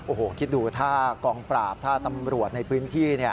โอ้โหคิดดูถ้ากองปราบถ้าตำรวจในพื้นที่